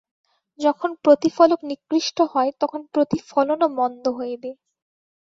যখন প্রতিফলক নিকৃষ্ট হয়, তখন প্রতিফলনও মন্দ হইবে।